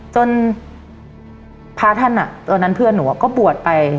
จนพระท่านตอนนั้นเพื่อนหนูก็บวชไป